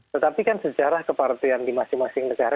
tetapi kan sejarah kepartian di masing masing negara itu beda ya